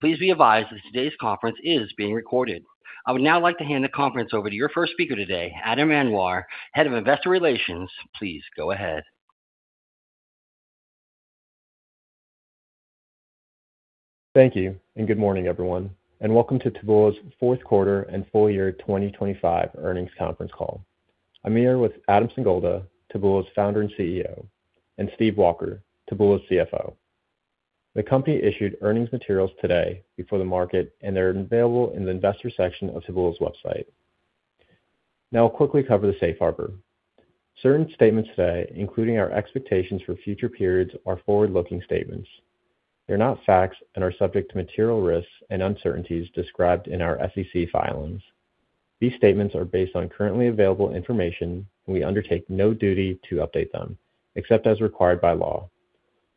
Please be advised that today's conference is being recorded. I would now like to hand the conference over to your first speaker today, Aadam Anwar, Head of Investor Relations. Please go ahead. Thank you, and good morning, everyone, and welcome to Taboola's fourth quarter and full year 2025 earnings conference call. I'm here with Adam Singolda, Taboola's Founder and CEO, and Stephen Walker, Taboola's CFO. The company issued earnings materials today before the market, and they're available in the investor section of Taboola's website. Now I'll quickly cover the safe harbor. Certain statements today, including our expectations for future periods, are forward-looking statements. They're not facts and are subject to material risks and uncertainties described in our SEC filings. These statements are based on currently available information. We undertake no duty to update them, except as required by law.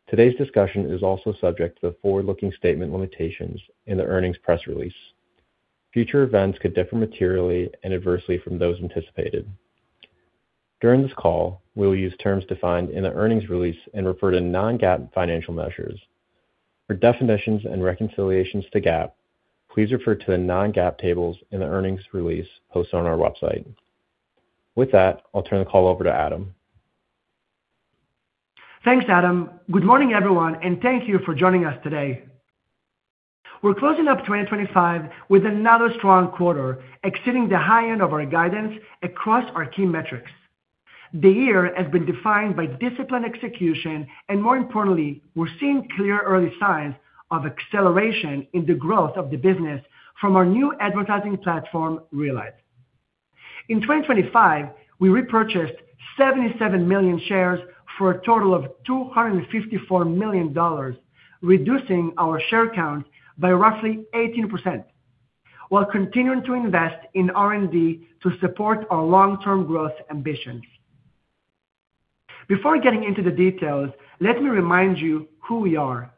Today's discussion is also subject to the forward-looking statement limitations in the earnings press release. Future events could differ materially and adversely from those anticipated. During this call, we'll use terms defined in the earnings release and refer to non-GAAP financial measures. For definitions and reconciliations to GAAP, please refer to the non-GAAP tables in the earnings release posted on our website. With that, I'll turn the call over to Adam. Thanks, Adam. Good morning, everyone, thank you for joining us today. We're closing up 2025 with another strong quarter, exceeding the high end of our guidance across our key metrics. The year has been defined by disciplined execution, more importantly, we're seeing clear early signs of acceleration in the growth of the business from our new advertising platform, Realize. In 2025, we repurchased 77 million shares for a total of $254 million, reducing our share count by roughly 18%, while continuing to invest in R&D to support our long-term growth ambitions. Before getting into the details, let me remind you who we are.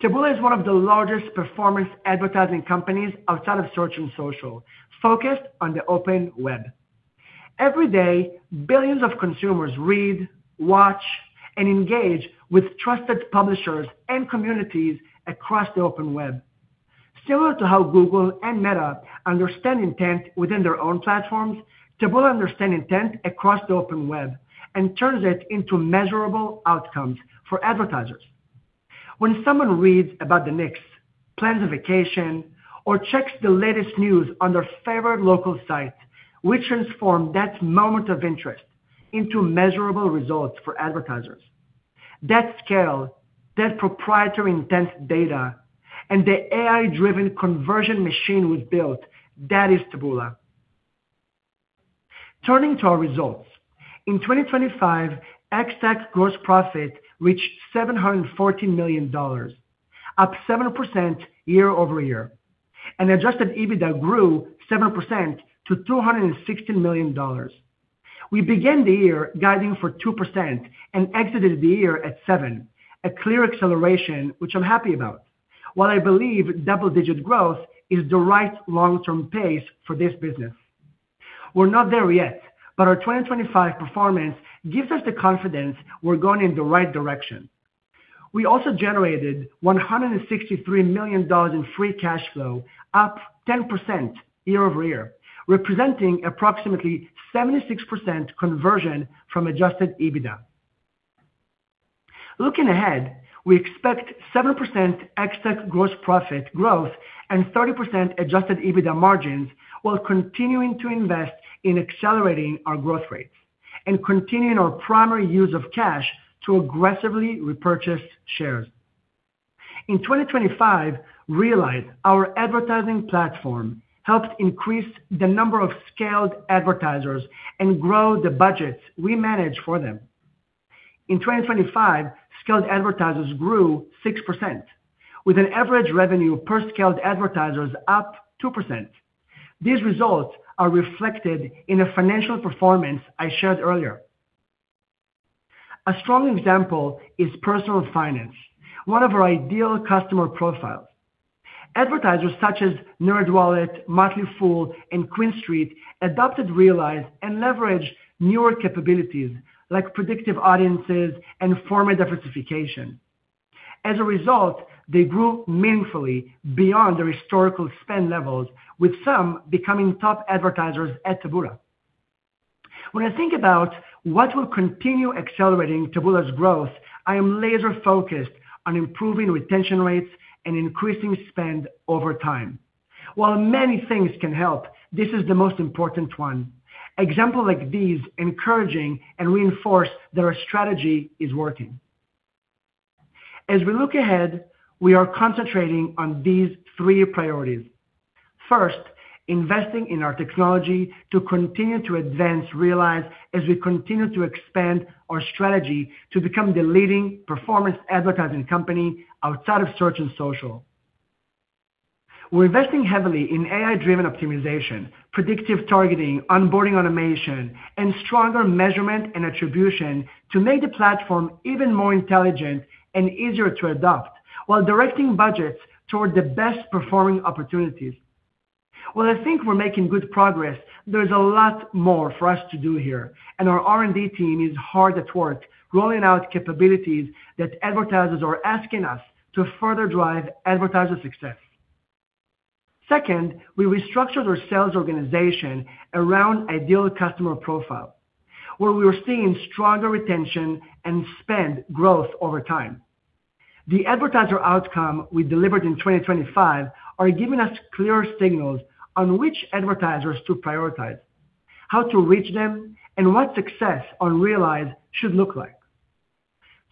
Taboola is one of the largest performance advertising companies outside of search and social, focused on the open web. Every day, billions of consumers read, watch, and engage with trusted publishers and communities across the open web. Similar to how Google and Meta understand intent within their own platforms, Taboola understand intent across the open web and turns it into measurable outcomes for advertisers. When someone reads about the Knicks, plans a vacation, or checks the latest news on their favorite local site, we transform that moment of interest into measurable results for advertisers. That scale, that proprietary intent data, and the AI-driven conversion machine we've built, that is Taboola. Turning to our results. In 2025, ex-TAC gross profit reached $714 million, up 7% year-over-year, and adjusted EBITDA grew 7% to $260 million. We began the year guiding for 2% and exited the year at 7%, a clear acceleration, which I'm happy about. While I believe double-digit growth is the right long-term pace for this business, we're not there yet, but our 2025 performance gives us the confidence we're going in the right direction. We also generated $163 million in free cash flow, up 10% year-over-year, representing approximately 76% conversion from adjusted EBITDA. Looking ahead, we expect 7% ex-TAC gross profit growth and 30% adjusted EBITDA margins, while continuing to invest in accelerating our growth rates and continuing our primary use of cash to aggressively repurchase shares. In 2025, Realize, our advertising platform, helped increase the number of scaled advertisers and grow the budgets we manage for them. In 2025, scaled advertisers grew 6%, with an average revenue per scaled advertisers up 2%. These results are reflected in the financial performance I shared earlier. A strong example is personal finance, one of our ideal customer profiles. Advertisers such as NerdWallet, Motley Fool, and QuinStreet adopted Realize and leveraged newer capabilities like Predictive Audiences and format diversification. As a result, they grew meaningfully beyond their historical spend levels, with some becoming top advertisers at Taboola. When I think about what will continue accelerating Taboola's growth, I am laser-focused on improving retention rates and increasing spend over time. While many things can help, this is the most important one. Examples like these encouraging and reinforce that our strategy is working. As we look ahead, we are concentrating on these three priorities. First, investing in our technology to continue to advance, Realize, as we continue to expand our strategy to become the leading performance advertising company outside of search and social. We're investing heavily in AI-driven optimization, predictive targeting, onboarding automation, and stronger measurement and attribution to make the platform even more intelligent and easier to adopt, while directing budgets toward the best-performing opportunities. Well, I think we're making good progress. There's a lot more for us to do here, and our R&D team is hard at work, rolling out capabilities that advertisers are asking us to further drive advertiser success. Second, we restructured our sales organization around ideal customer profile, where we were seeing stronger retention and spend growth over time. The advertiser outcome we delivered in 2025 are giving us clear signals on which advertisers to prioritize, how to reach them, and what success on Realize should look like.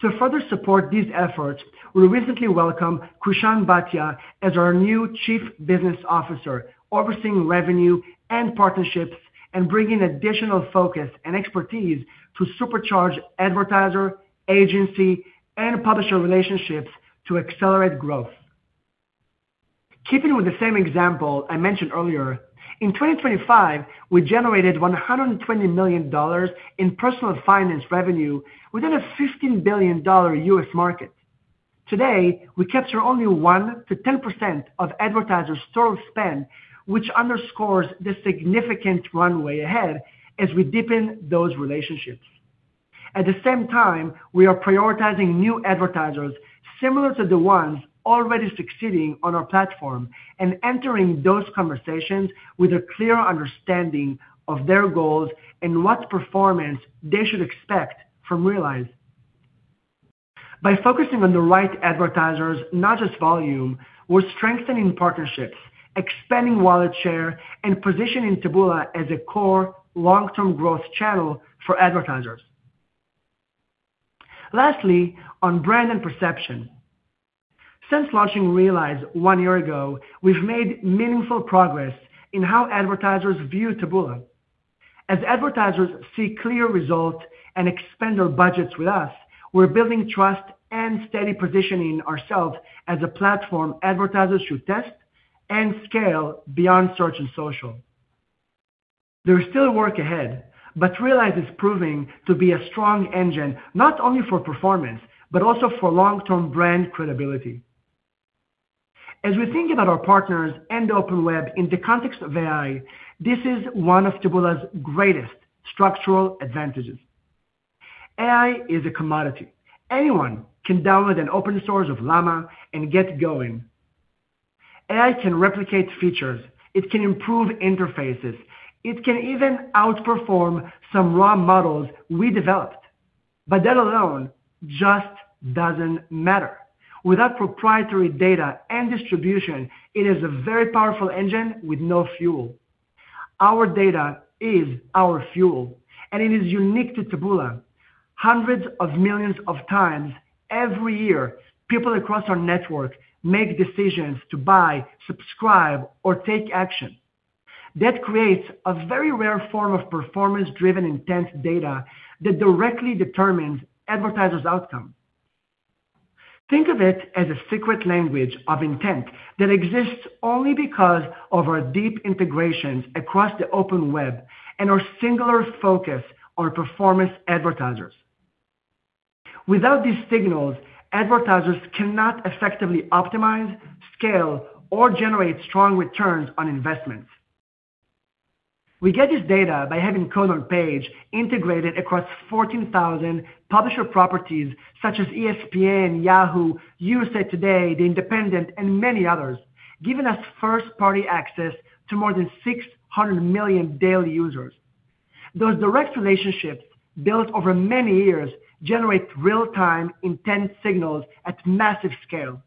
To further support these efforts, we recently welcomed Krishan Bhatia as our new Chief Business Officer, overseeing revenue and partnerships and bringing additional focus and expertise to supercharge advertiser, agency, and publisher relationships to accelerate growth. Keeping with the same example I mentioned earlier, in 2025, we generated $120 million in personal finance revenue within a $15 billion U.S. market. Today, we capture only 1%-10% of advertisers' total spend, which underscores the significant runway ahead as we deepen those relationships. At the same time, we are prioritizing new advertisers similar to the ones already succeeding on our platform and entering those conversations with a clear understanding of their goals and what performance they should expect from Realize. By focusing on the right advertisers, not just volume, we're strengthening partnerships, expanding wallet share, and positioning Taboola as a core long-term growth channel for advertisers. Lastly, on brand and perception. Since launching Realize one year ago, we've made meaningful progress in how advertisers view Taboola. As advertisers see clear results and expand their budgets with us, we're building trust and steady positioning ourselves as a platform advertisers should test and scale beyond search and social. There is still work ahead, but Realize is proving to be a strong engine, not only for performance, but also for long-term brand credibility. As we think about our partners and the open web in the context of AI, this is one of Taboola's greatest structural advantages. AI is a commodity. Anyone can download an open source of Llama and get going. AI can replicate features, it can improve interfaces, it can even outperform some raw models we developed, but that alone just doesn't matter. Without proprietary data and distribution, it is a very powerful engine with no fuel. Our data is our fuel, and it is unique to Taboola. Hundreds of millions of times every year, people across our network make decisions to buy, subscribe, or take action. That creates a very rare form of performance-driven, intent data that directly determines advertisers' outcome. Think of it as a secret language of intent that exists only because of our deep integrations across the open web and our singular focus on performance advertisers. Without these signals, advertisers cannot effectively optimize, scale, or generate strong returns on investments. We get this data by having code on page integrated across 14,000 publisher properties such as ESPN, Yahoo, USA Today, The Independent, and many others, giving us first-party access to more than 600 million daily users. Those direct relationships, built over many years, generate real-time, intense signals at massive scale.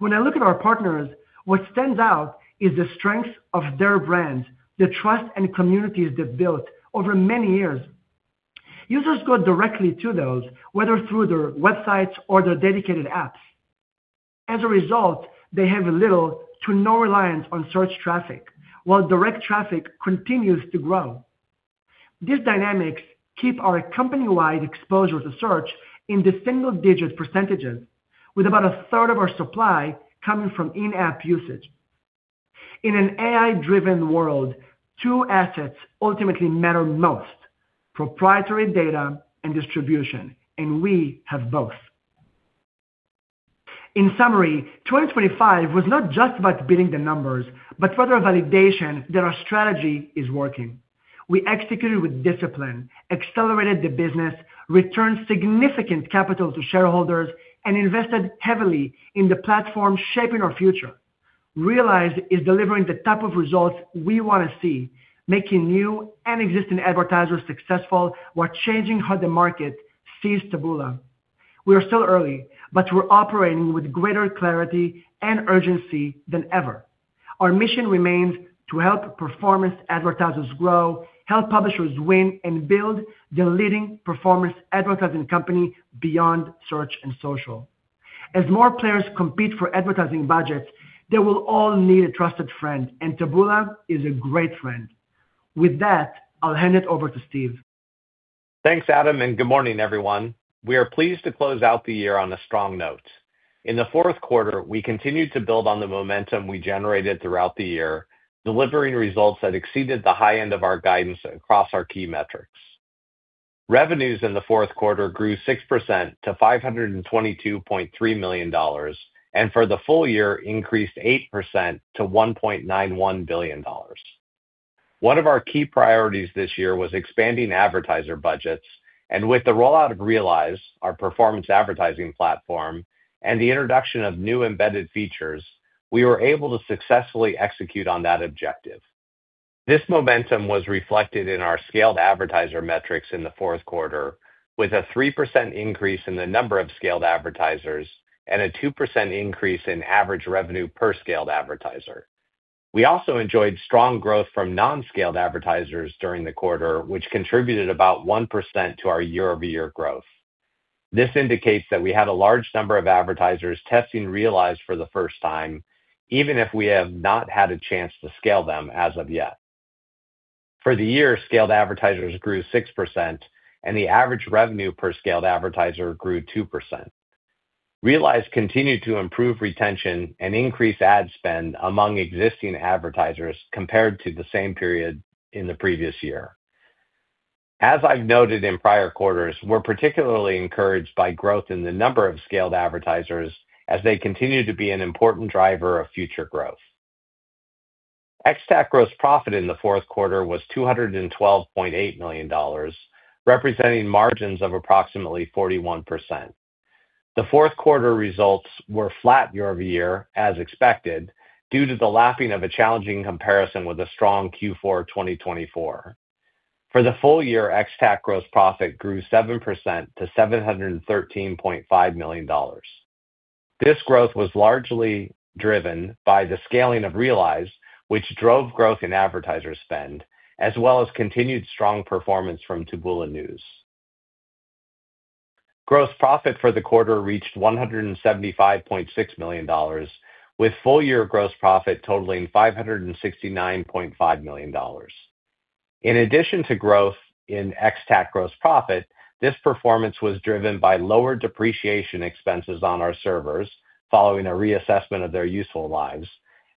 When I look at our partners, what stands out is the strength of their brands, the trust and communities they've built over many years. Users go directly to those, whether through their websites or their dedicated apps. They have little to no reliance on search traffic, while direct traffic continues to grow. These dynamics keep our company-wide exposure to search in the single-digit percentages, with about 1/3 of our supply coming from in-app usage. In an AI-driven world, two assets ultimately matter most: proprietary data and distribution, and we have both. In summary, 2025 was not just about beating the numbers, but further validation that our strategy is working. We executed with discipline, accelerated the business, returned significant capital to shareholders, and invested heavily in the platform shaping our future. Realize is delivering the type of results we want to see, making new and existing advertisers successful while changing how the market sees Taboola. We are still early, but we're operating with greater clarity and urgency than ever. Our mission remains to help performance advertisers grow, help publishers win, and build the leading performance advertising company beyond search and social. As more players compete for advertising budgets, they will all need a trusted friend, and Taboola is a great friend. With that, I'll hand it over to Steve. Thanks, Adam, and good morning, everyone. We are pleased to close out the year on a strong note. In the fourth quarter, we continued to build on the momentum we generated throughout the year, delivering results that exceeded the high end of our guidance across our key metrics. Revenues in the fourth quarter grew 6% to $522.3 million, and for the full year, increased 8% to $1.91 billion. One of our key priorities this year was expanding advertiser budgets, and with the rollout of Realize, our performance advertising platform, and the introduction of new embedded features, we were able to successfully execute on that objective. This momentum was reflected in our scaled advertiser metrics in the fourth quarter, with a 3% increase in the number of scaled advertisers and a 2% increase in average revenue per scaled advertiser. We also enjoyed strong growth from non-scaled advertisers during the quarter, which contributed about 1% to our year-over-year growth. This indicates that we had a large number of advertisers testing Realize for the first time, even if we have not had a chance to scale them as of yet. For the year, scaled advertisers grew 6%, and the average revenue per scaled advertiser grew 2%. Realize continued to improve retention and increase ad spend among existing advertisers compared to the same period in the previous year. As I've noted in prior quarters, we're particularly encouraged by growth in the number of scaled advertisers as they continue to be an important driver of future growth. Ex-TAC gross profit in the fourth quarter was $212.8 million, representing margins of approximately 41%. The fourth quarter results were flat year-over-year, as expected, due to the lapping of a challenging comparison with a strong Q4 of 2024. For the full year, ex-TAC gross profit grew 7% to $713.5 million. This growth was largely driven by the scaling of Realize, which drove growth in advertiser spend, as well as continued strong performance from Taboola News. Gross profit for the quarter reached $175.6 million, with full year gross profit totaling $569.5 million. In addition to growth in ex-TAC gross profit, this performance was driven by lower depreciation expenses on our servers following a reassessment of their useful lives,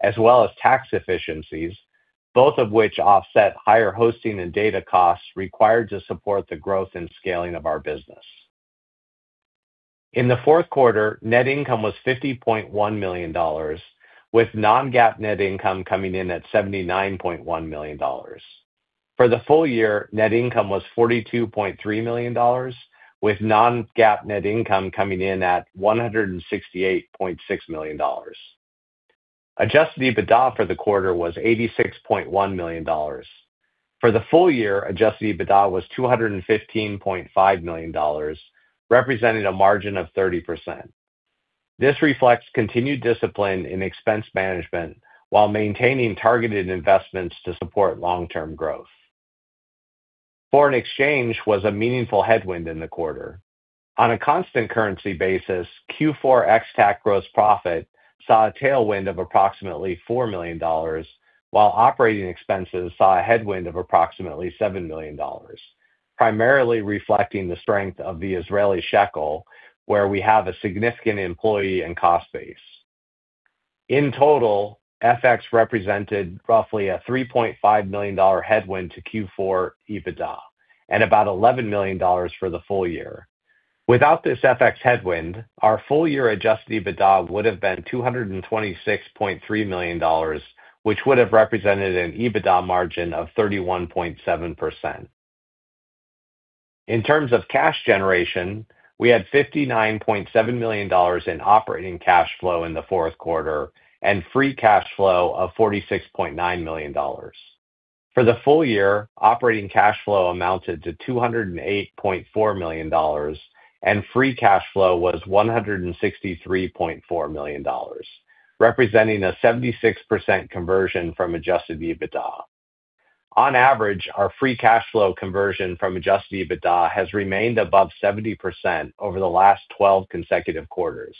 as well as tax efficiencies, both of which offset higher hosting and data costs required to support the growth and scaling of our business. In the fourth quarter, net income was $50.1 million, with non-GAAP net income coming in at $79.1 million. For the full year, net income was $42.3 million, with non-GAAP net income coming in at $168.6 million. Adjusted EBITDA for the quarter was $86.1 million. For the full year, adjusted EBITDA was $215.5 million, representing a margin of 30%. This reflects continued discipline in expense management while maintaining targeted investments to support long-term growth. Foreign exchange was a meaningful headwind in the quarter. On a constant currency basis, Q4 ex-TAC gross profit saw a tailwind of approximately $4 million, while operating expenses saw a headwind of approximately $7 million, primarily reflecting the strength of the Israeli shekel, where we have a significant employee and cost base. In total, FX represented roughly a $3.5 million headwind to Q4 EBITDA and about $11 million for the full year. Without this FX headwind, our full year adjusted EBITDA would have been $226.3 million, which would have represented an EBITDA margin of 31.7%. In terms of cash generation, we had $59.7 million in operating cash flow in the fourth quarter and free cash flow of $46.9 million. For the full year, operating cash flow amounted to $208.4 million, and free cash flow was $163.4 million, representing a 76% conversion from adjusted EBITDA. On average, our free cash flow conversion from adjusted EBITDA has remained above 70% over the last 12 consecutive quarters.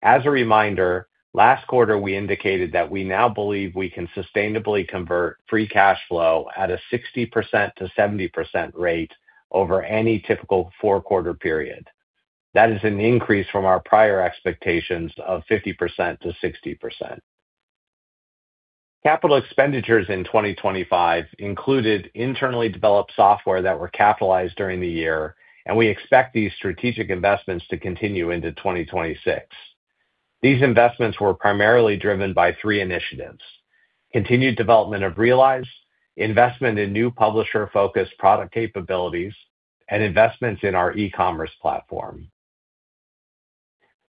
As a reminder, last quarter, we indicated that we now believe we can sustainably convert free cash flow at a 60%-70% rate over any typical four-quarter period. That is an increase from our prior expectations of 50%-60%. Capital expenditures in 2025 included internally developed software that were capitalized during the year, and we expect these strategic investments to continue into 2026. These investments were primarily driven by three initiatives: continued development of Realize, investment in new publisher-focused product capabilities, and investments in our e-commerce platform.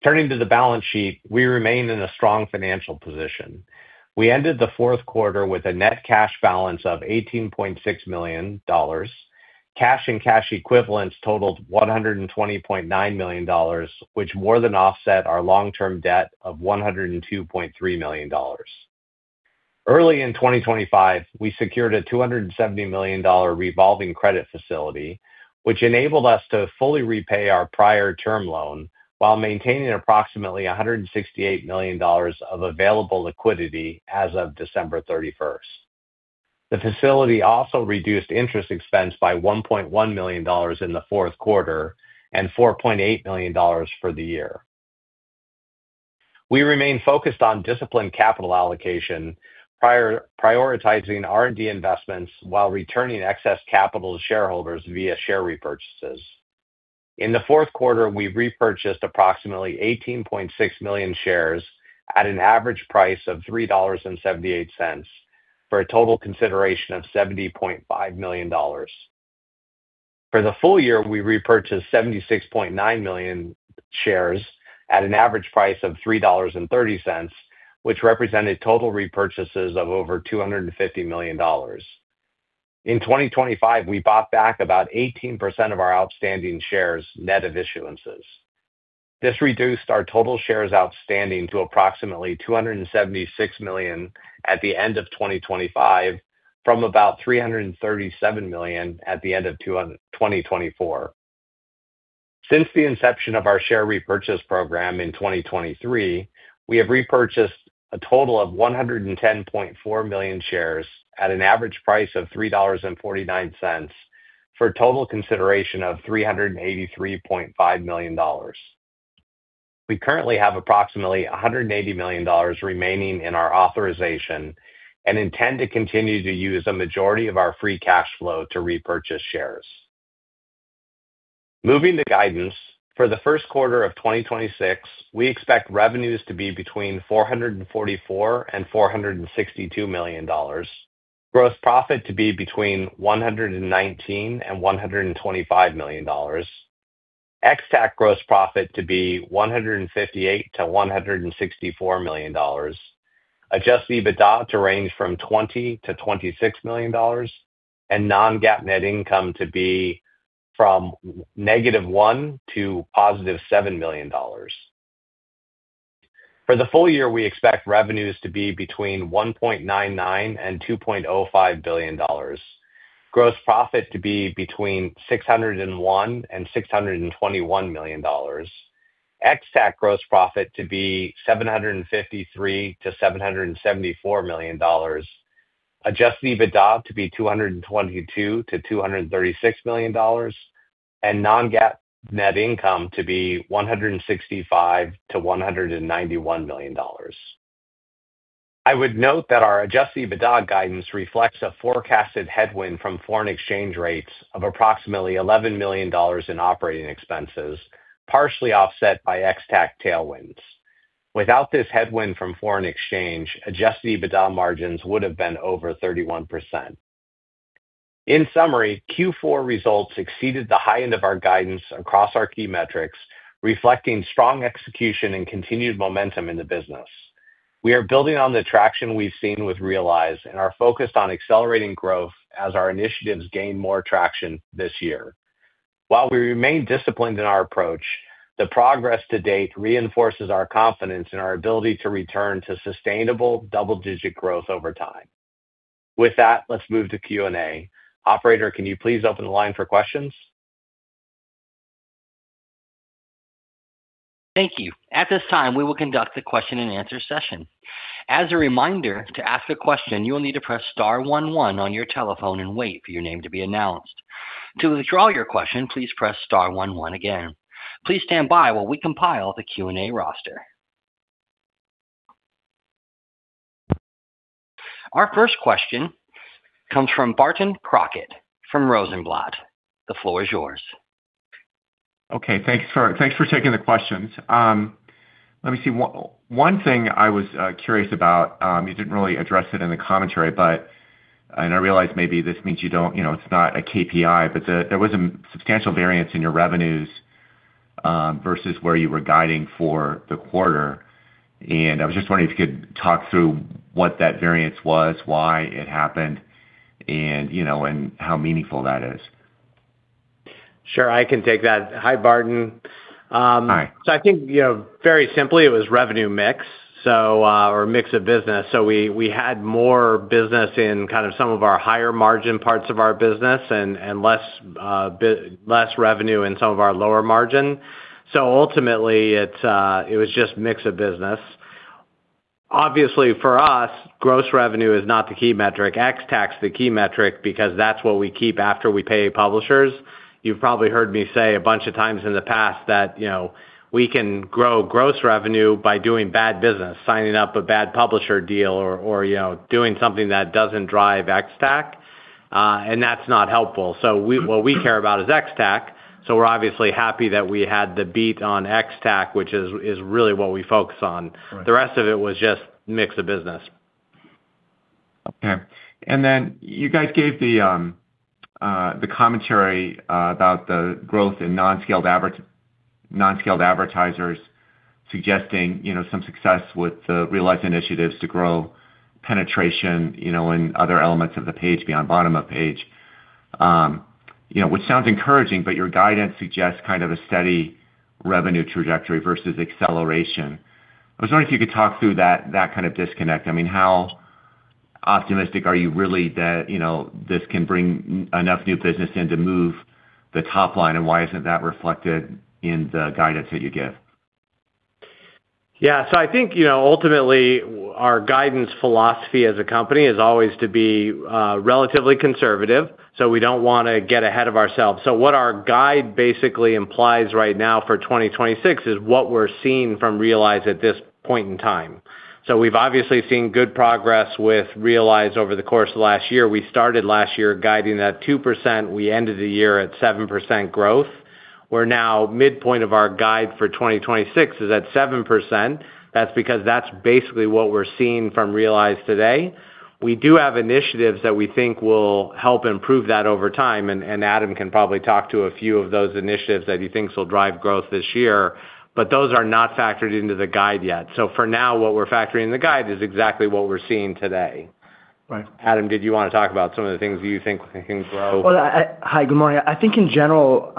Turning to the balance sheet, we remain in a strong financial position. We ended the fourth quarter with a net cash balance of $18.6 million. Cash and cash equivalents totaled $120.9 million, which more than offset our long-term debt of $102.3 million. Early in 2025, we secured a $270 million revolving credit facility, which enabled us to fully repay our prior term loan while maintaining approximately $168 million of available liquidity as of December 31st. The facility also reduced interest expense by $1.1 million in the fourth quarter and $4.8 million for the year. We remain focused on disciplined capital allocation, prioritizing R&D investments while returning excess capital to shareholders via share repurchases. In the fourth quarter, we repurchased approximately 18.6 million shares at an average price of $3.78, for a total consideration of $70.5 million. For the full year, we repurchased 76.9 million shares at an average price of $3.30, which represented total repurchases of over $250 million. In 2025, we bought back about 18% of our outstanding shares, net of issuances. This reduced our total shares outstanding to approximately 276 million at the end of 2025, from about 337 million at the end of 2024. Since the inception of our share repurchase program in 2023, we have repurchased a total of 110.4 million shares at an average price of $3.49, for a total consideration of $383.5 million. We currently have approximately $180 million remaining in our authorization and intend to continue to use a majority of our free cash flow to repurchase shares. Moving to guidance, for the first quarter of 2026, we expect revenues to be between $444 million and $462 million, gross profit to be between $119 million and $125 million, ex-TAC gross profit to be $158 million-$164 million, adjusted EBITDA to range from $20 million-$26 million, and non-GAAP net income to be from -$1 million to +$7 million. For the full year, we expect revenues to be between $1.99 billion and $2.05 billion, gross profit to be between $601 million and $621 million, ex-TAC gross profit to be $753 million to $774 million, adjusted EBITDA to be $222 million to $236 million, and non-GAAP net income to be $165 million to $191 million. I would note that our adjusted EBITDA guidance reflects a forecasted headwind from foreign exchange rates of approximately $11 million in operating expenses, partially offset by ex-TAC tailwinds. Without this headwind from foreign exchange, adjusted EBITDA margins would have been over 31%. In summary, Q4 results exceeded the high end of our guidance across our key metrics, reflecting strong execution and continued momentum in the business. We are building on the traction we've seen with Realize and are focused on accelerating growth as our initiatives gain more traction this year. While we remain disciplined in our approach, the progress to date reinforces our confidence in our ability to return to sustainable double-digit growth over time. With that, let's move to Q&A. Operator, can you please open the line for questions? Thank you. At this time, we will conduct a question-and-answer session. As a reminder, to ask a question, you will need to press star one one on your telephone and wait for your name to be announced. To withdraw your question, please press star one one again. Please stand by while we compile the Q&A roster. Our first question comes from Barton Crockett, from Rosenblatt. The floor is yours. Okay, thanks for, thanks for taking the questions. Let me see. One thing I was curious about, you didn't really address it in the commentary, but, and I realize maybe this means you don't... You know, it's not a KPI, but there was a substantial variance in your revenues versus where you were guiding for the quarter. I was just wondering if you could talk through what that variance was, why it happened, and, you know, and how meaningful that is. Sure, I can take that. Hi, Barton. Hi. I think, you know, very simply, it was revenue mix, so, or mix of business. We had more business in kind of some of our higher margin parts of our business and less revenue in some of our lower margin. Ultimately, it was just mix of business. Obviously, for us, gross revenue is not the key metric. ex-TAC, the key metric, because that's what we keep after we pay publishers. You've probably heard me say a bunch of times in the past that, you know, we can grow gross revenue by doing bad business, signing up a bad publisher deal or, you know, doing something that doesn't drive ex-TAC, and that's not helpful. What we care about is ex-TAC, so we're obviously happy that we had the beat on ex-TAC, which is really what we focus on. Right. The rest of it was just mix of business. Okay. You guys gave the commentary about the growth in non-scaled advertisers, suggesting, you know, some success with the Realize initiatives to grow penetration, you know, and other elements of the page beyond bottom of page. You know, which sounds encouraging, but your guidance suggests kind of a steady revenue trajectory versus acceleration. I was wondering if you could talk through that kind of disconnect. I mean, how optimistic are you really that, you know, this can bring enough new business in to move the top line, and why isn't that reflected in the guidance that you give? Yeah. Ultimately, our guidance philosophy as a company is always to be relatively conservative, we don't wanna get ahead of ourselves. What our guide basically implies right now for 2026 is what we're seeing from Realize at this point in time. We've obviously seen good progress with Realize over the course of last year. We started last year guiding that 2%, we ended the year at 7% growth. We're now midpoint of our guide for 2026 is at 7%. That's basically what we're seeing from Realize today. We do have initiatives that we think will help improve that over time, Adam can probably talk to a few of those initiatives that he thinks will drive growth this year, those are not factored into the guide yet. For now, what we're factoring in the guide is exactly what we're seeing today. Right. Adam, did you wanna talk about some of the things you think can grow? Hi, good morning. I think in general,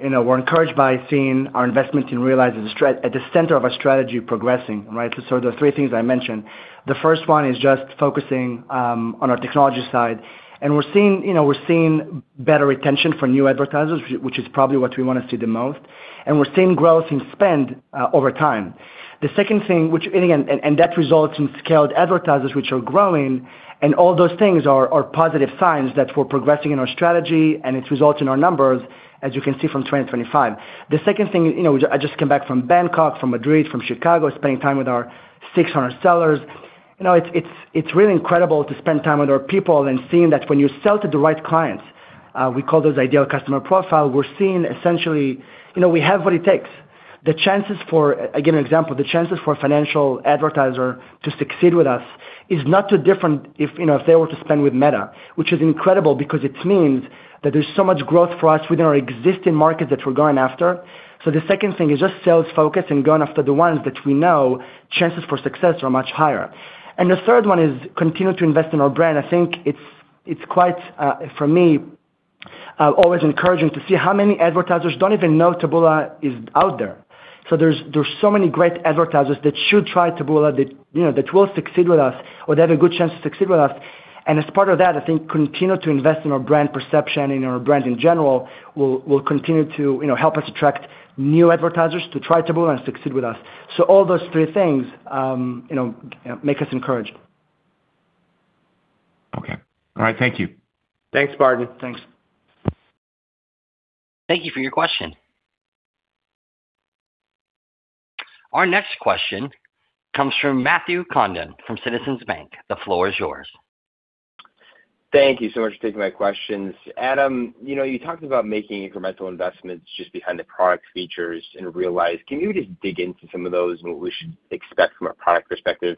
you know, we're encouraged by seeing our investment in Realize at the center of our strategy progressing, right? The three things I mentioned, the first one is just focusing on our technology side, and we're seeing, you know, we're seeing better retention for new advertisers, which is probably what we wanna see the most, and we're seeing growth in spend over time. The second thing, which again, that results in scaled advertisers, which are growing, and all those things are positive signs that we're progressing in our strategy, and it results in our numbers, as you can see from 2025. The second thing, you know, I just came back from Bangkok, from Madrid, from Chicago, spending time with our 600 sellers. You know, it's really incredible to spend time with our people and seeing that when you sell to the right clients, we call those ideal customer profile, we're seeing essentially, you know, we have what it takes. I'll give you an example. The chances for a financial advertiser to succeed with us is not too different if, you know, if they were to spend with Meta, which is incredible because it means that there's so much growth for us within our existing markets that we're going after. The second thing is just sales focus and going after the ones that we know chances for success are much higher. The third one is continue to invest in our brand. I think it's quite for me always encouraging to see how many advertisers don't even know Taboola is out there. There's so many great advertisers that should try Taboola, that, you know, that will succeed with us or they have a good chance to succeed with us. As part of that, I think continue to invest in our brand perception, in our brand in general, will continue to, you know, help us attract new advertisers to try Taboola and succeed with us. All those three things, you know, make us encouraged. Okay. All right. Thank you. Thanks, Barton. Thanks. Thank you for your question. Our next question comes from Matthew Condon from Citizens Bank. The floor is yours. Thank you so much for taking my questions. Adam, you know, you talked about making incremental investments just behind the product features in Realize. Can you just dig into some of those and what we should expect from a product perspective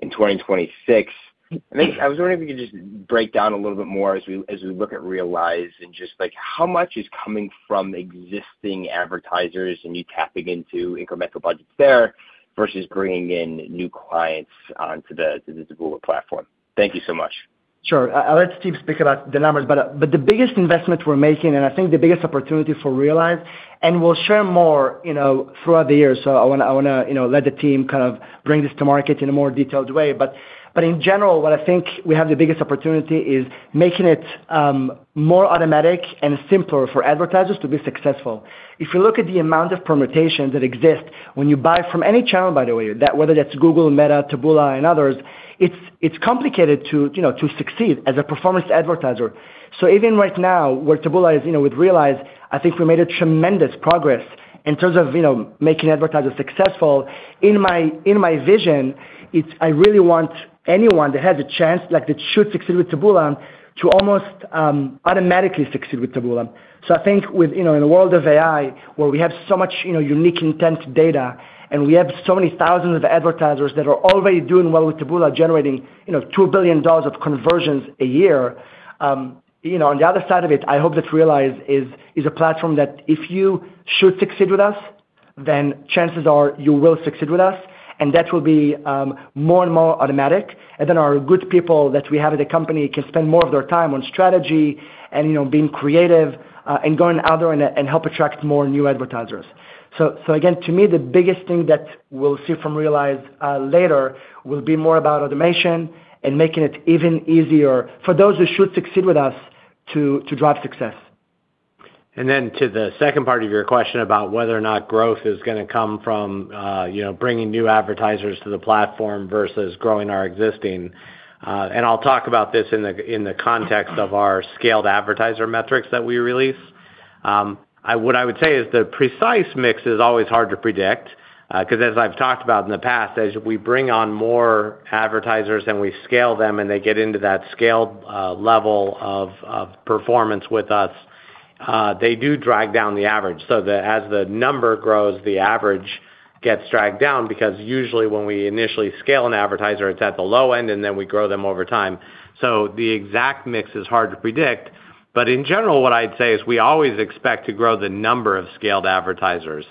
in 2026? I think I was wondering if you could just break down a little bit more as we look at Realize and just like, how much is coming from existing advertisers and you tapping into incremental budgets there versus bringing in new clients onto the Taboola platform. Thank you so much. Sure. I'll let Steve speak about the numbers, but the biggest investment we're making, and I think the biggest opportunity for Realize, and we'll share more, you know, throughout the year. I wanna, you know, let the team kind of bring this to market in a more detailed way. In general, what I think we have the biggest opportunity is making it more automatic and simpler for advertisers to be successful. If you look at the amount of permutations that exist when you buy from any channel, by the way, whether that's Google, Meta, Taboola, and others, it's complicated to, you know, to succeed as a performance advertiser. Even right now, where Taboola is, you know, with Realize, I think we made a tremendous progress in terms of, you know, making advertisers successful. In my, in my vision, it's I really want anyone that has a chance, like that should succeed with Taboola, to almost automatically succeed with Taboola. I think with, you know, in the world of AI, where we have so much, you know, unique, intense data, and we have so many thousands of advertisers that are already doing well with Taboola, generating, you know, $2 billion of conversions a year, you know, on the other side of it, I hope that Realize is a platform that if you should succeed with us, then chances are you will succeed with us, and that will be more and more automatic. Our good people that we have at the company can spend more of their time on strategy and, you know, being creative, and going out there and help attract more new advertisers. Again, to me, the biggest thing that we'll see from Realize later will be more about automation and making it even easier for those who should succeed with us to drive success. To the second part of your question about whether or not growth is going to come from, you know, bringing new advertisers to the platform versus growing our existing. I'll talk about this in the context of our scaled advertiser metrics that we release. What I would say is the precise mix is always hard to predict, because as I've talked about in the past, as we bring on more advertisers and we scale them, and they get into that scaled level of performance with us, they do drag down the average. As the number grows, the average gets dragged down because usually when we initially scale an advertiser, it's at the low end, and then we grow them over time. The exact mix is hard to predict, but in general, what I'd say is we always expect to grow the number of scaled advertisers.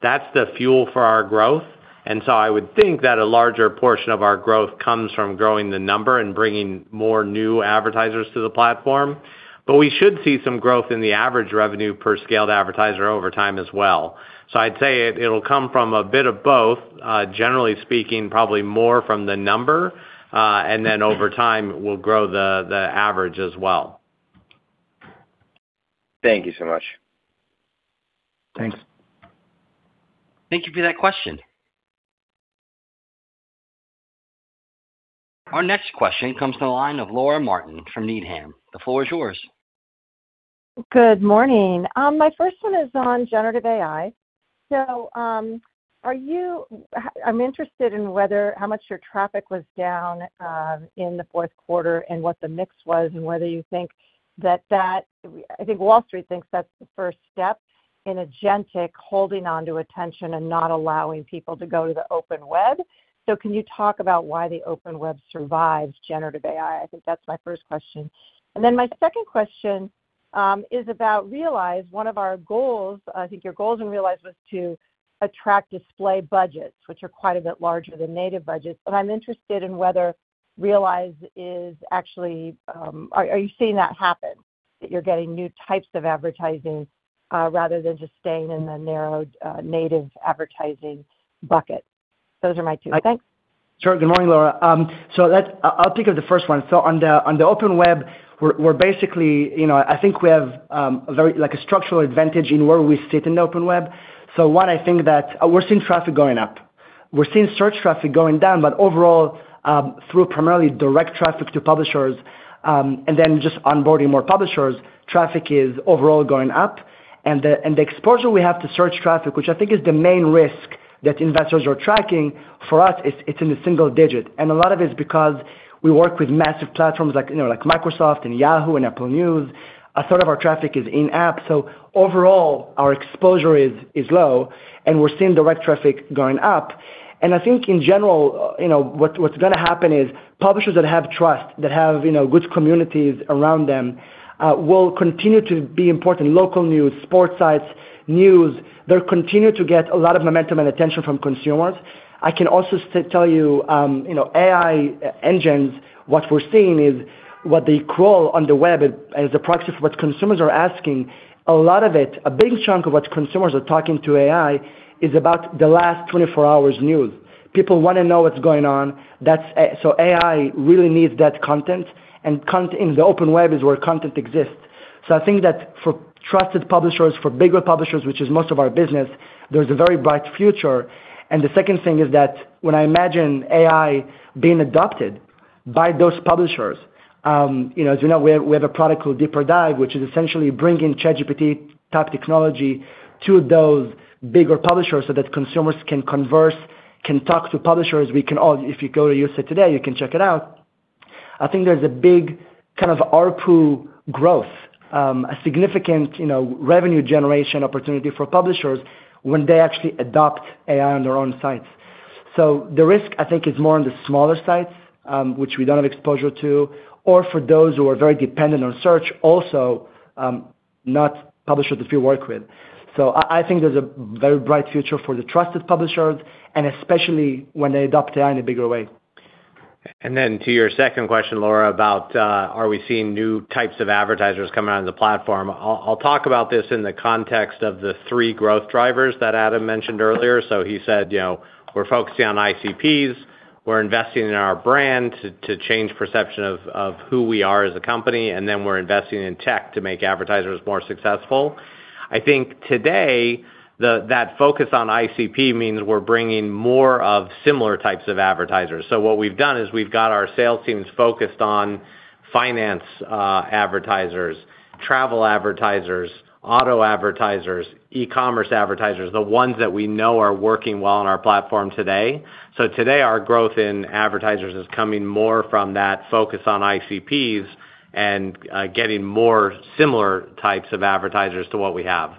That's the fuel for our growth, I would think that a larger portion of our growth comes from growing the number and bringing more new advertisers to the platform. We should see some growth in the average revenue per scaled advertiser over time as well. I'd say it'll come from a bit of both. Generally speaking, probably more from the number, and then over time, we'll grow the average as well. Thank you so much. Thanks. Thank you for that question. Our next question comes to the line of Laura Martin from Needham. The floor is yours. Good morning. My first one is on generative AI. I'm interested in whether, how much your traffic was down in the fourth quarter and what the mix was, and whether you think Wall Street thinks that's the first step in agentic holding onto attention and not allowing people to go to the open web. Can you talk about why the open web survives generative AI? I think that's my first question. My second question is about Realize. One of our goals, I think your goals in Realize was to attract display budgets, which are quite a bit larger than native budgets. I'm interested in whether Realize is actually, are you seeing that happen, that you're getting new types of advertising, rather than just staying in the narrowed native advertising bucket? Those are my two. Thanks. Sure. Good morning, Laura. I'll pick up the first one. On the open web, we're basically, you know, I think we have a very, like, a structural advantage in where we sit in the open web. One, I think that we're seeing traffic going up. We're seeing search traffic going down, but overall, through primarily direct traffic to publishers, and then just onboarding more publishers, traffic is overall going up. The exposure we have to search traffic, which I think is the main risk that investors are tracking for us, it's in the single digit. A lot of it's because we work with massive platforms like, you know, like Microsoft and Yahoo and Apple News. A sort of our traffic is in-app, so overall, our exposure is low, we're seeing direct traffic going up. I think in general, you know, what's gonna happen is publishers that have trust, that have, you know, good communities around them, will continue to be important. Local news, sports sites, news, they'll continue to get a lot of momentum and attention from consumers. I can also tell you know, AI engines, what we're seeing is what they crawl on the web as a proxy for what consumers are asking, a lot of it, a big chunk of what consumers are talking to AI, is about the last 24 hours news. People wanna know what's going on. That's A... AI really needs that content, and content in the open web is where content exists. I think that for trusted publishers, for bigger publishers, which is most of our business, there's a very bright future. The second thing is that when I imagine AI being adopted by those publishers, you know, as you know, we have a product called DeeperDive, which is essentially bringing ChatGPT-type technology to those bigger publishers so that consumers can converse, can talk to publishers. If you go to use it today, you can check it out. I think there's a big kind of ARPU growth, a significant, you know, revenue generation opportunity for publishers when they actually adopt AI on their own sites. The risk, I think, is more on the smaller sites, which we don't have exposure to, or for those who are very dependent on search, also, not publishers we work with. I think there's a very bright future for the trusted publishers, especially when they adopt AI in a bigger way. To your second question, Laura, about, are we seeing new types of advertisers coming onto the platform? I'll talk about this in the context of the three growth drivers that Adam mentioned earlier. He said, you know, we're focusing on ICPs, we're investing in our brand to change perception of who we are as a company, and then we're investing in tech to make advertisers more successful. I think today, that focus on ICP means we're bringing more of similar types of advertisers. What we've done is we've got our sales teams focused on finance advertisers, travel advertisers, auto advertisers, e-commerce advertisers, the ones that we know are working well on our platform today. Today, our growth in advertisers is coming more from that focus on ICPs and getting more similar types of advertisers to what we have.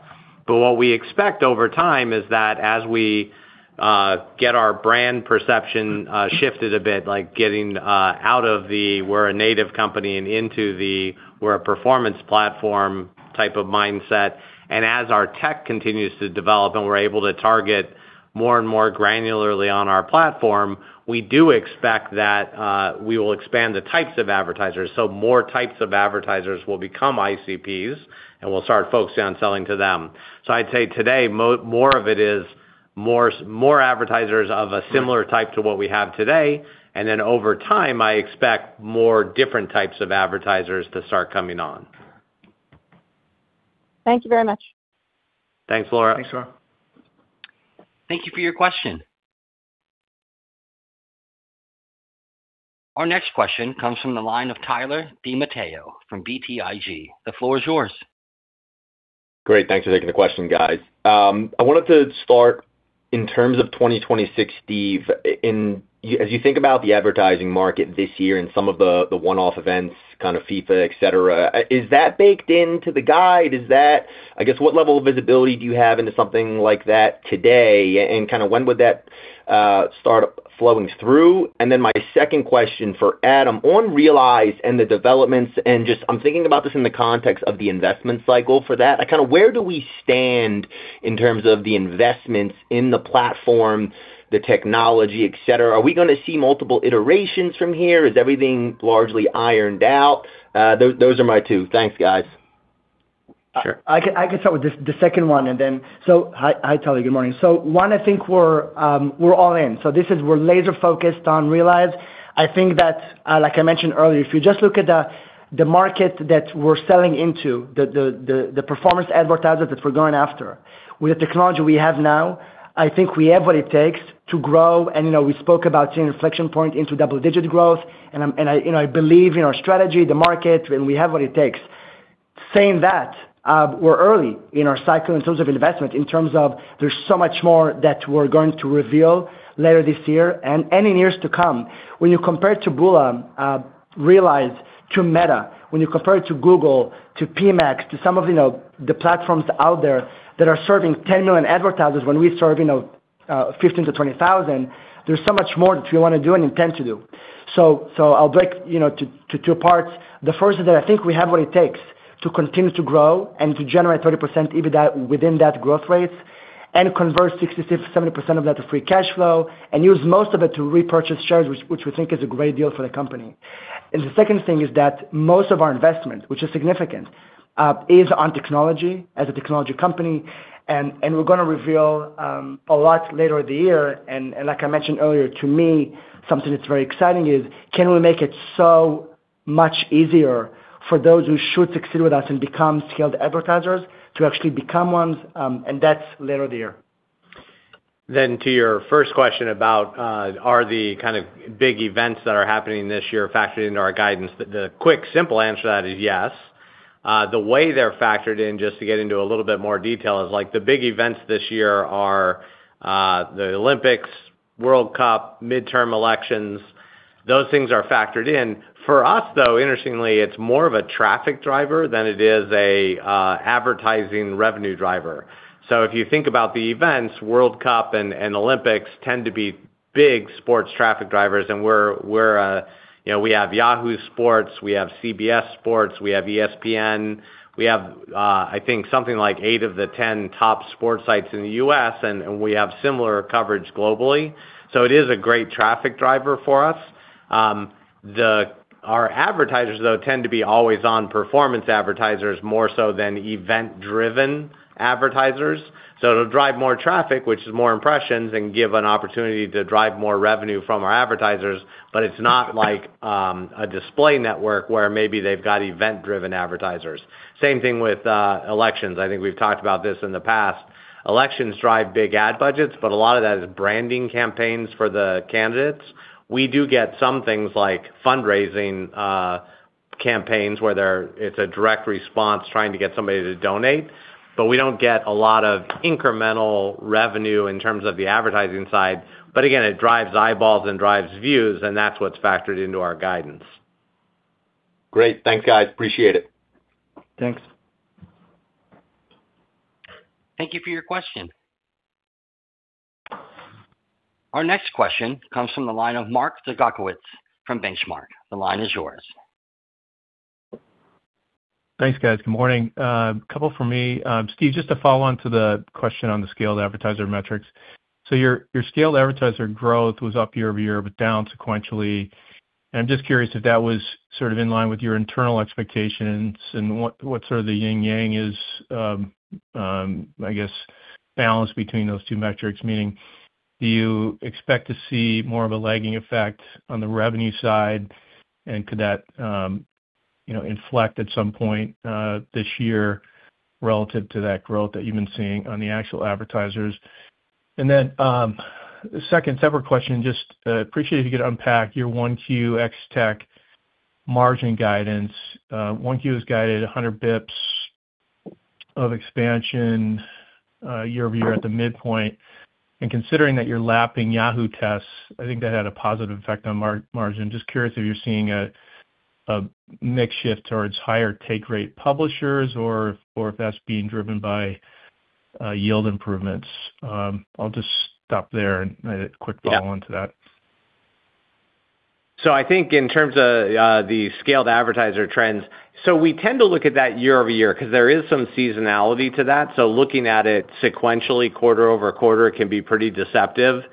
What we expect over time is that as we get our brand perception shifted a bit, like getting out of the, "We're a native company," and into the, "We're a performance platform," type of mindset, and as our tech continues to develop and we're able to target more and more granularly on our platform, we do expect that we will expand the types of advertisers, so more types of advertisers will become ICPs, and we'll start focusing on selling to them. I'd say today, more of it is more advertisers of a similar type to what we have today, and then over time, I expect more different types of advertisers to start coming on. Thank you very much. Thanks, Laura. Thanks, Laura. Thank you for your question. Our next question comes from the line of Tyler DiMatteo from BTIG. The floor is yours. Great. Thanks for taking the question, guys. I wanted to start in terms of 2026, Steve, as you think about the advertising market this year and some of the one-off events, kind of FIFA, et cetera, is that baked into the guide? I guess, what level of visibility do you have into something like that today? Kinda when would that start flowing through? My second question for Adam: On Realize and the developments, and just I'm thinking about this in the context of the investment cycle for that, like, kinda where do we stand in terms of the investments in the platform, the technology, et cetera? Are we gonna see multiple iterations from here? Is everything largely ironed out? Those are my two. Thanks, guys. Sure. I can start with this, the second one. Hi, Tyler. Good morning. One, I think we're all in. We're laser focused on Realize. I think that, like I mentioned earlier, if you just look at the market that we're selling into, the performance advertisers that we're going after, with the technology we have now, I think we have what it takes to grow. You know, we spoke about seeing an inflection point into double-digit growth, and I, you know, I believe in our strategy, the market, and we have what it takes. Saying that, we're early in our cycle in terms of investment, in terms of there's so much more that we're going to reveal later this year and in years to come. When you compare to Taboola, Realize, to Meta, when you compare it to Google, to PMax, to some of, you know, the platforms out there that are serving 10 million advertisers, when we serve, you know, 15,000-20,000, there's so much more that we wanna do and intend to do. I'll break, you know, to two parts. The first is that I think we have what it takes to continue to grow and to generate 30% EBITDA within that growth rate and convert 60%-70% of that to free cash flow and use most of it to repurchase shares, which we think is a great deal for the company. The second thing is that most of our investment, which is significant, is on technology as a technology company, we're gonna reveal a lot later in the year. Like I mentioned earlier, to me, something that's very exciting is, can we make it so much easier for those who should succeed with us and become scaled advertisers, to actually become ones, and that's later in the year. To your first question about, are the kind of big events that are happening this year factored into our guidance? The quick, simple answer to that is yes. The way they're factored in, just to get into a little bit more detail, is like the big events this year are the Olympics, World Cup, midterm elections. Those things are factored in. For us, though, interestingly, it's more of a traffic driver than it is a advertising revenue driver. If you think about the events, World Cup and Olympics tend to be big sports traffic drivers, and we're, you know, we have Yahoo Sports, we have CBS Sports, we have ESPN, we have, I think something like eight of the 10 top sports sites in the U.S., and we have similar coverage globally. It is a great traffic driver for us. Our advertisers, though, tend to be always on performance advertisers more so than event-driven advertisers. It'll drive more traffic, which is more impressions, and give an opportunity to drive more revenue from our advertisers. It's not like, a display network where maybe they've got event-driven advertisers. Same thing with elections. I think we've talked about this in the past. Elections drive big ad budgets, but a lot of that is branding campaigns for the candidates. We do get some things like fundraising, campaigns, where there, it's a direct response trying to get somebody to donate, but we don't get a lot of incremental revenue in terms of the advertising side. Again, it drives eyeballs and drives views, and that's what's factored into our guidance. Great. Thanks, guys. Appreciate it. Thanks. Thank you for your question. Our next question comes from the line of Mark Zgutowicz from Benchmark. The line is yours. Thanks, guys. Good morning. couple from me. Steve, just to follow on to the question on the scaled advertiser metrics. Your, your scaled advertiser growth was up year-over-year, but down sequentially. I'm just curious if that was sort of in line with your internal expectations and what sort of the yin-yang is, I guess, balance between those two metrics, meaning, do you expect to see more of a lagging effect on the revenue side? Could that, you know, inflect at some point this year relative to that growth that you've been seeing on the actual advertisers? Second separate question, just appreciate if you could unpack your 1Q ex-TAC margin guidance. 1Q is guided 100 basis points of expansion year-over-year at the midpoint. Considering that you're lapping Yahoo test. I think that had a positive effect on margin. Just curious if you're seeing a mix shift towards higher take-rate publishers or if that's being driven by yield improvements. I'll just stop there and a quick follow-on to that. I think in terms of the scaled advertiser trends, we tend to look at that year-over-year because there is some seasonality to that. Looking at it sequentially, quarter-over-quarter, can be pretty deceptive,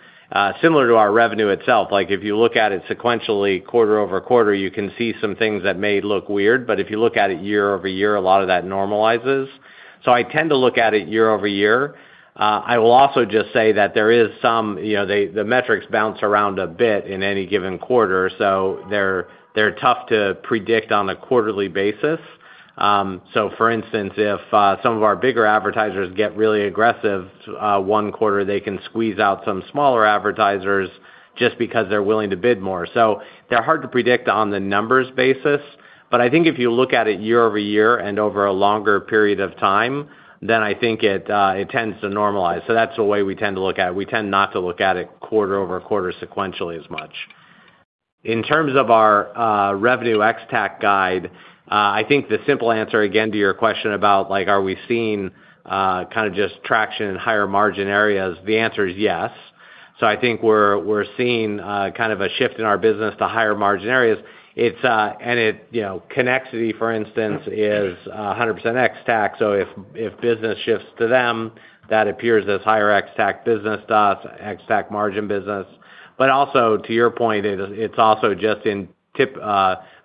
similar to our revenue itself. Like, if you look at it sequentially, quarter-over-quarter, you can see some things that may look weird. If you look at it year-over-year, a lot of that normalizes. I tend to look at it year-over-year. I will also just say that there is some, you know, the metrics bounce around a bit in any given quarter, so they're tough to predict on a quarterly basis. For instance, if some of our bigger advertisers get really aggressive, one quarter, they can squeeze out some smaller advertisers just because they're willing to bid more. They're hard to predict on the numbers basis, but I think if you look at it year-over-year and over a longer period of time, then I think it tends to normalize. That's the way we tend to look at it. We tend not to look at it quarter-over-quarter sequentially as much. In terms of our revenue ex-TAC guide, I think the simple answer, again, to your question about like, are we seeing kind of just traction in higher margin areas? The answer is yes. I think we're seeing kind of a shift in our business to higher margin areas. It's, you know, Connexity, for instance, is 100% ex-TAC. If business shifts to them, that appears as higher ex-TAC business, ex-TAC margin business. Also to your point, it's also just in tip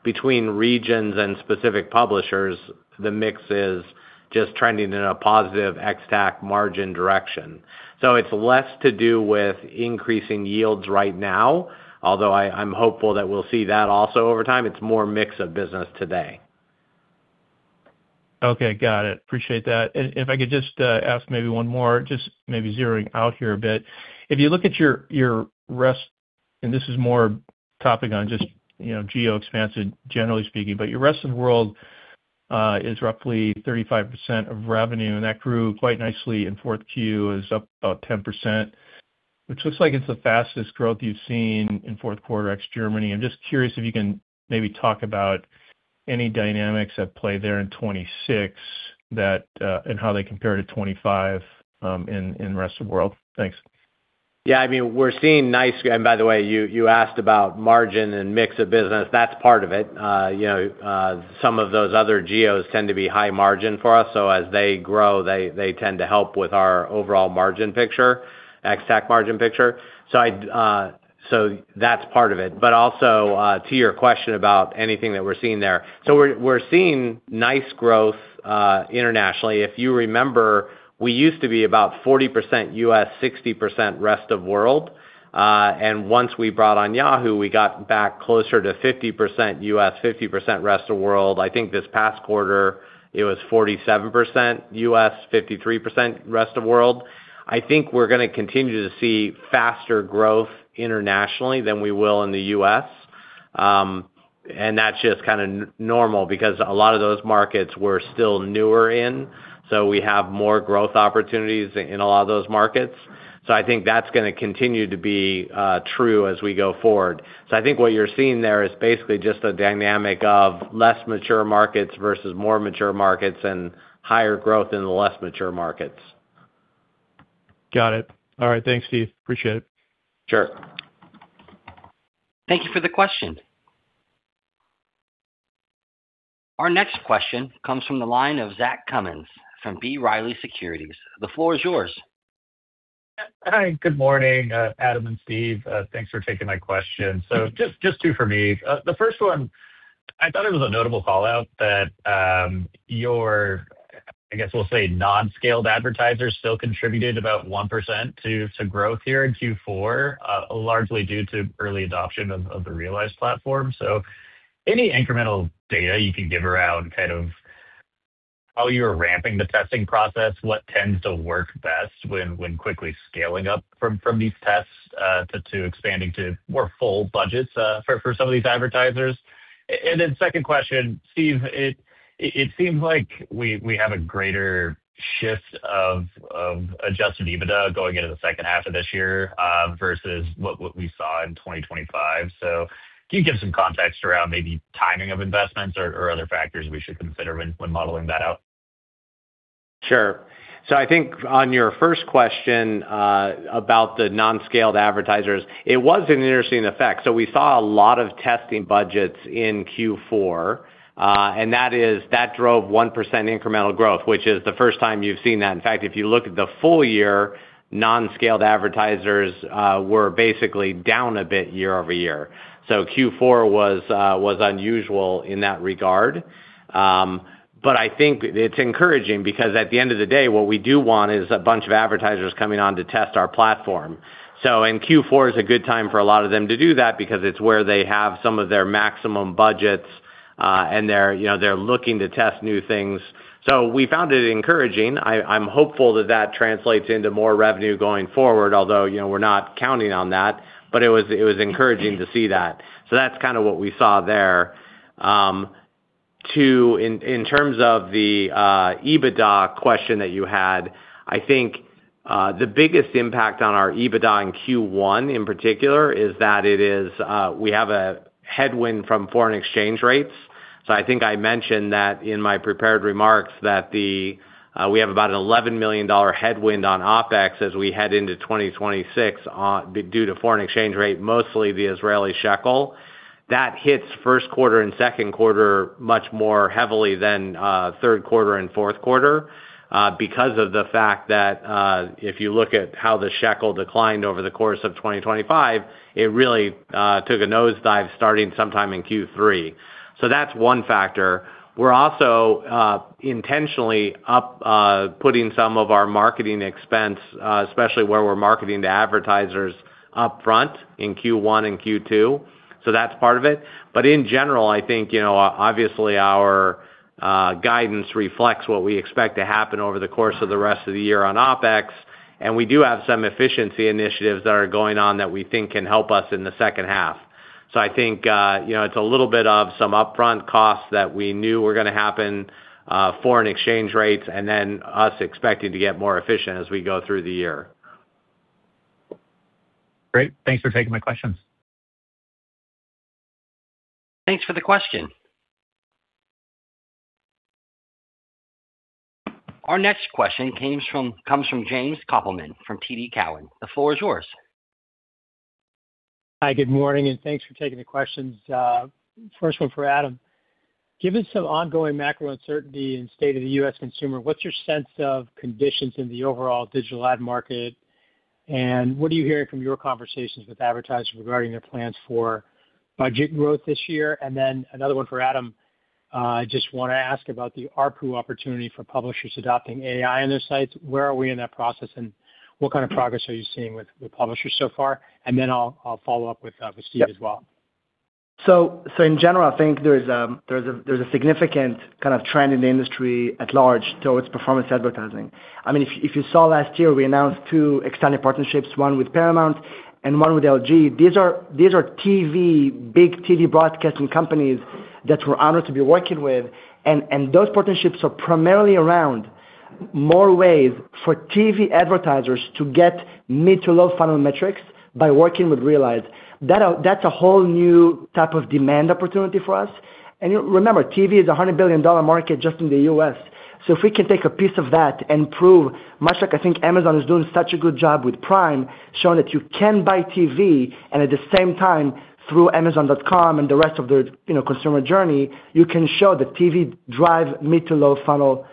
between regions and specific publishers, the mix is just trending in a positive ex-TAC margin direction. It's less to do with increasing yields right now, although I'm hopeful that we'll see that also over time. It's more mix of business today. Okay, got it. Appreciate that. If I could just ask maybe one more, just maybe zeroing out here a bit. If you look at your rest, and this is more topic on just, you know, geo expansion, generally speaking, but your rest of the world is roughly 35% of revenue, and that grew quite nicely in fourth Q, is up about 10%, which looks like it's the fastest growth you've seen in fourth quarter ex Germany. I'm just curious if you can maybe talk about any dynamics at play there in 2026 that and how they compare to 2025 in rest of the world. Thanks. Yeah, I mean, we're seeing nice. By the way, you asked about margin and mix of business. That's part of it. You know, some of those other geos tend to be high margin for us, as they grow, they tend to help with our overall margin picture, ex-TAC margin picture. That's part of it. Also, to your question about anything that we're seeing there. We're seeing nice growth internationally. If you remember, we used to be about 40% U.S., 60% rest of world, and once we brought on Yahoo We got back closer to 50% U.S., 50% rest of world. I think this past quarter it was 47% U.S., 53% rest of world. I think we're gonna continue to see faster growth internationally than we will in the U.S. That's just kind of normal because a lot of those markets we're still newer in, so we have more growth opportunities in a lot of those markets. I think that's gonna continue to be true as we go forward. I think what you're seeing there is basically just a dynamic of less mature markets versus more mature markets, and higher growth in the less mature markets. Got it. All right, thanks, Steve. Appreciate it. Sure. Thank you for the question. Our next question comes from the line of Zach Cummins from B. Riley Securities. The floor is yours. Hi, good morning, Adam and Steve. Thanks for taking my question. Just two for me. The first one, I thought it was a notable call-out that your, I guess we'll say, non-scaled advertisers still contributed about 1% to growth here in Q4, largely due to early adoption of the Realize platform. Any incremental data you can give around kind of how you're ramping the testing process? What tends to work best when quickly scaling up from these tests to expanding to more full budgets for some of these advertisers? Second question, Steve, it seems like we have a greater shift of adjusted EBITDA going into the second half of this year versus what we saw in 2025. Can you give some context around maybe timing of investments or other factors we should consider when modeling that out? Sure. I think on your first question about the non-scaled advertisers, it was an interesting effect. We saw a lot of testing budgets in Q4, that drove 1% incremental growth, which is the first time you've seen that. In fact, if you look at the full year, non-scaled advertisers were basically down a bit year-over-year. Q4 was unusual in that regard. I think it's encouraging, because at the end of the day, what we do want is a bunch of advertisers coming on to test our platform. Q4 is a good time for a lot of them to do that because it's where they have some of their maximum budgets, and they're, you know, they're looking to test new things. We found it encouraging. I'm hopeful that that translates into more revenue going forward, although, you know, we're not counting on that, but it was, it was encouraging to see that. That's kind of what we saw there. Two, in terms of the EBITDA question that you had, I think the biggest impact on our EBITDA in Q1, in particular, is that it is, we have a headwind from foreign exchange rates. I think I mentioned that in my prepared remarks, that we have about $11 million headwind on OpEx as we head into 2026 due to foreign exchange rate, mostly the Israeli shekel. That hits first quarter and second quarter much more heavily than third quarter and fourth quarter because of the fact that if you look at how the shekel declined over the course of 2025, it really took a nosedive starting sometime in Q3. That's one factor. We're also intentionally up putting some of our marketing expense especially where we're marketing to advertisers up front in Q1 and Q2, that's part of it. In general, I think, you know, obviously our guidance reflects what we expect to happen over the course of the rest of the year on OpEx, we do have some efficiency initiatives that are going on that we think can help us in the second half. I think, you know, it's a little bit of some upfront costs that we knew were gonna happen, foreign exchange rates, and then us expecting to get more efficient as we go through the year. Great. Thanks for taking my questions. Thanks for the question. Our next question comes from James Kopelman from TD Cowen. The floor is yours. Hi, good morning, and thanks for taking the questions. First one for Adam: Given some ongoing macro uncertainty and state of the U.S. consumer, what's your sense of conditions in the overall digital ad market, and what are you hearing from your conversations with advertisers regarding their plans for budget growth this year? Another one for Adam. I just want to ask about the ARPU opportunity for publishers adopting AI on their sites. Where are we in that process, and what kind of progress are you seeing with publishers so far? I'll follow up with Steve as well. In general, I think there's a significant kind of trend in the industry at large towards performance advertising. I mean, if you saw last year, we announced two extended partnerships, one with Paramount and one with LG. These are TV, big TV broadcasting companies that we're honored to be working with. Those partnerships are primarily around more ways for TV advertisers to get mid to low funnel metrics by working with Realize. That's a whole new type of demand opportunity for us. You know, remember, TV is a $100 billion market just in the U.S. If we can take a piece of that and prove, much like I think Amazon is doing such a good job with Prime, showing that you can buy TV and at the same time, through amazon.com and the rest of their, you know, consumer journey, you can show that TV drive mid to low funnel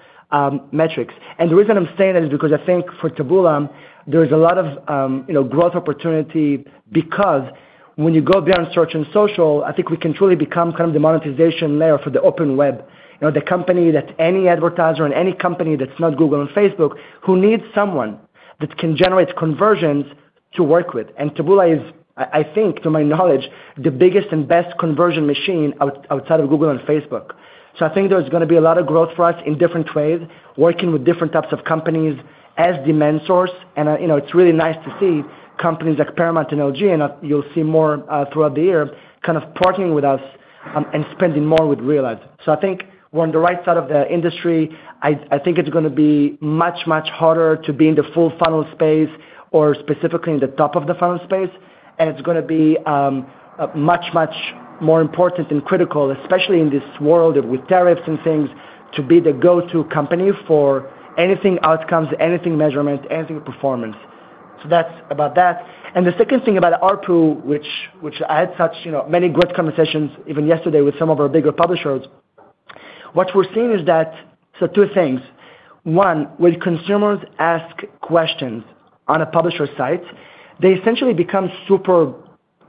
metrics. The reason I'm saying that is because I think for Taboola, there's a lot of, you know, growth opportunity because when you go beyond search and social, I think we can truly become kind of the monetization layer for the open web. You know, the company that any advertiser and any company that's not Google and Facebook, who needs someone that can generate conversions to work with. Taboola is, I think, to my knowledge, the biggest and best conversion machine outside of Google and Facebook. I think there's gonna be a lot of growth for us in different ways, working with different types of companies as demand source. You know, it's really nice to see companies like Paramount and LG, and you'll see more throughout the year, kind of partnering with us, and spending more with Realize. I think we're on the right side of the industry. I think it's gonna be much, much harder to be in the full funnel space or specifically in the top of the funnel space. It's gonna be much, much more important and critical, especially in this world with tariffs and things, to be the go-to company for anything outcomes, anything measurement, anything performance. That's about that. The second thing about ARPU, which I had such, you know, many great conversations even yesterday with some of our bigger publishers. What we're seeing is that. Two things, one, when consumers ask questions on a publisher site, they essentially become it's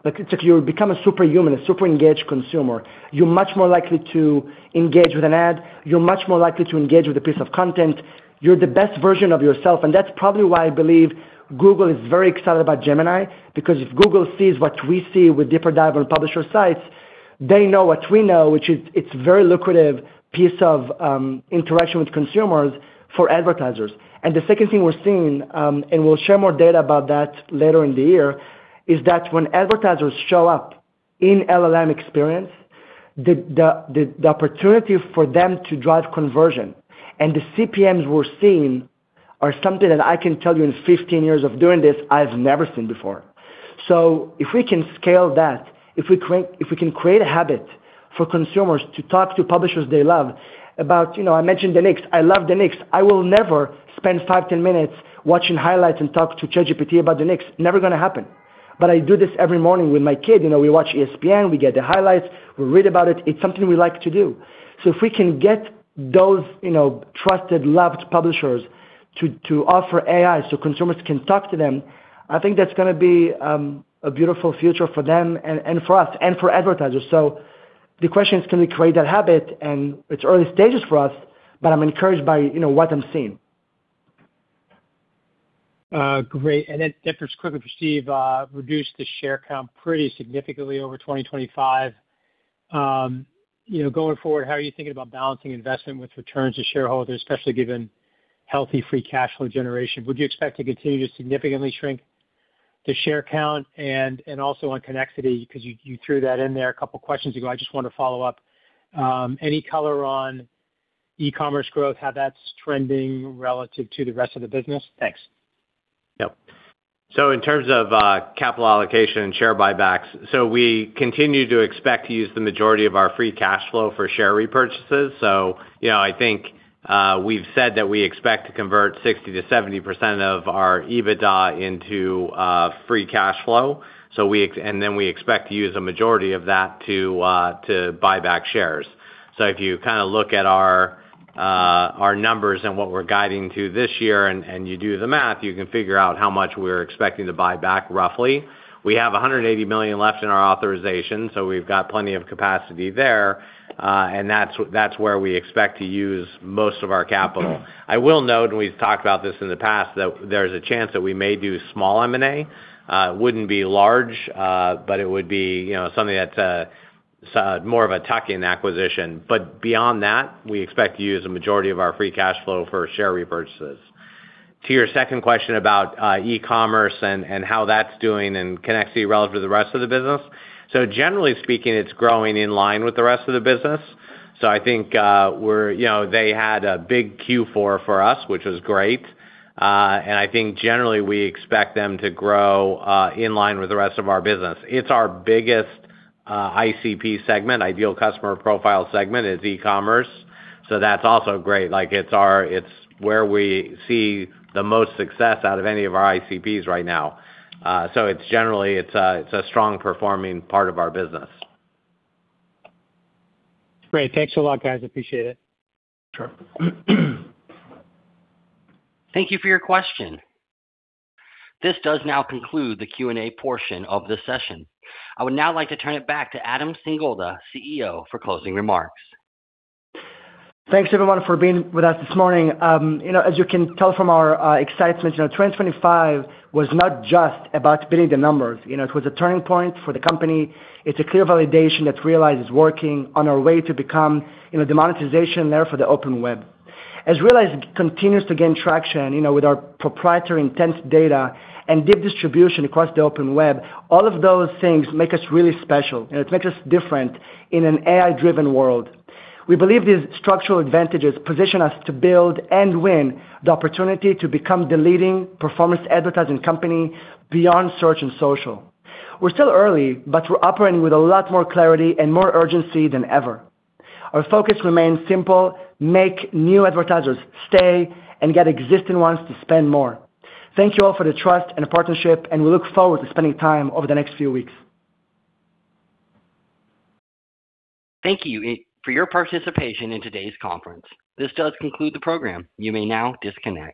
like you become a superhuman, a super engaged consumer. You're much more likely to engage with an ad. You're much more likely to engage with a piece of content. You're the best version of yourself, and that's probably why I believe Google is very excited about Gemini, because if Google sees what we see with DeeperDive on publisher sites, they know what we know, which is it's very lucrative piece of interaction with consumers for advertisers. The second thing we're seeing, and we'll share more data about that later in the year, is that when advertisers show up in LLM experience, the opportunity for them to drive conversion and the CPMs we're seeing are something that I can tell you in 15 years of doing this, I've never seen before. If we can scale that, if we can create a habit for consumers to talk to publishers they love about, you know, I mentioned the Knicks. I love the Knicks. I will never spend five, 10 minutes watching highlights and talk to ChatGPT about the Knicks. Never gonna happen. I do this every morning with my kid, you know, we watch ESPN, we get the highlights, we read about it. It's something we like to do. If we can get those, you know, trusted, loved publishers to offer AI so consumers can talk to them, I think that's gonna be a beautiful future for them and for us and for advertisers. The question is, can we create that habit? It's early stages for us, but I'm encouraged by, you know, what I'm seeing. Great. Just quickly for Steve, reduced the share count pretty significantly over 2025. You know, going forward, how are you thinking about balancing investment with returns to shareholders, especially given healthy free cash flow generation? Would you expect to continue to significantly shrink the share count? Also on Connexity, because you threw that in there a couple of questions ago, I just want to follow up, any color on e-commerce growth, how that's trending relative to the rest of the business? Thanks. Yep. In terms of capital allocation and share buybacks, we continue to expect to use the majority of our free cash flow for share repurchases. You know, I think, we've said that we expect to convert 60%-70% of our EBITDA into free cash flow. We expect to use a majority of that to buy back shares. If you kinda look at our numbers and what we're guiding to this year and you do the math, you can figure out how much we're expecting to buy back roughly. We have $180 million left in our authorization, so we've got plenty of capacity there, and that's where we expect to use most of our capital. I will note, and we've talked about this in the past, that there's a chance that we may do small M&A. It wouldn't be large, but it would be, you know, something that's more of a tuck-in acquisition. Beyond that, we expect to use a majority of our free cash flow for share repurchases. To your second question about e-commerce and how that's doing and Connexity relative to the rest of the business. Generally speaking, it's growing in line with the rest of the business. I think, you know, they had a big Q4 for us, which was great. I think generally, we expect them to grow in line with the rest of our business. It's our biggest ICP segment, Ideal Customer Profile segment, is e-commerce, that's also great. Like, It's where we see the most success out of any of our ICPs right now. It's generally, it's a strong performing part of our business. Great. Thanks a lot, guys. Appreciate it. Sure. Thank you for your question. This does now conclude the Q&A portion of the session. I would now like to turn it back to Adam Singolda, CEO, for closing remarks. Thanks, everyone, for being with us this morning. You know, as you can tell from our excitement, you know, 2025 was not just about beating the numbers. You know, it was a turning point for the company. It's a clear validation that Realize is working on our way to become, you know, the monetization there for the open web. As Realize continues to gain traction, you know, with our proprietary intense data and deep distribution across the open web, all of those things make us really special, and it makes us different in an AI-driven world. We believe these structural advantages position us to build and win the opportunity to become the leading performance advertising company beyond search and social. We're still early, but we're operating with a lot more clarity and more urgency than ever. Our focus remains simple: Make new advertisers stay and get existing ones to spend more. Thank you all for the trust and partnership, and we look forward to spending time over the next few weeks. Thank you for your participation in today's conference. This does conclude the program. You may now disconnect.